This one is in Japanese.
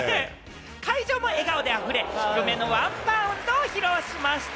会場も笑顔であふれ、低めのワンバウンドを披露しました。